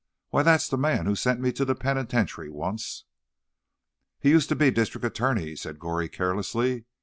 Why, that's the man who sent me to the pen'tentiary once!" "He used to be district attorney," said Goree carelessly.